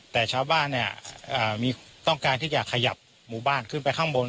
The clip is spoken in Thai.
แต่ชาวบ้านต้องการที่จะขยับหมู่บ้านขึ้นไปข้างบน